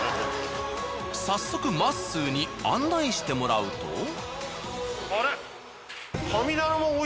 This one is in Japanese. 早速まっすーに案内してもらうと。